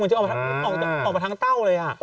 ออกมาทางเต้าเลยอะ